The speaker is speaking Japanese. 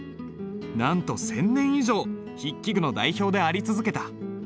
なんと１，０００年以上筆記具の代表であり続けた。